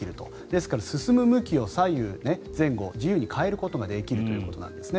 ですから進む向きを左右、前後自由に変えることができるということです。